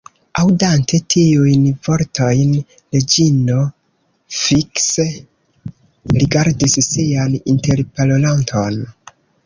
Aŭdante tiujn vortojn, Reĝino fikse rigardis sian interparolanton.